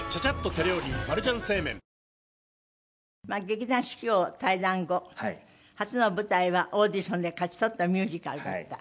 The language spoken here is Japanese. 劇団四季を退団後初の舞台はオーディションで勝ち取ったミュージカルだった。